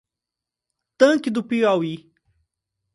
Tanque do Piauí